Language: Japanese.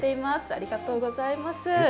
ありがとうございます。